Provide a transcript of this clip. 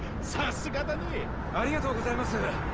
さすがだね！ありがとうございます！